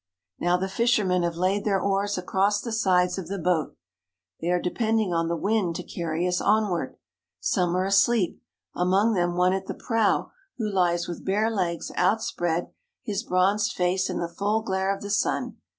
Now the fishermen have laid their oars across the sides of the boat. They are depending on the wind to carry us onward. Some are asleep, among them one at the prow who lies with bare legs outspread, his bronzed face in the full glare of the sun.